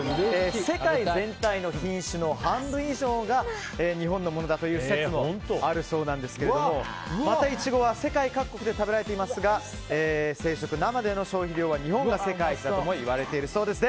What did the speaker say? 世界全体の品種の半分以上が日本のものだという説もあるそうなんですけどもまたイチゴは世界各国で食べられていますが生での消費量は日本が世界一ともいわれているそうです。